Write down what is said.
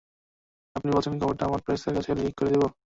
আপনি বলছেন খবরটা আমরা প্রেসের কাছে লিক করে দেব?